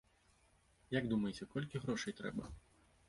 Як думаеце, колькі грошай трэба?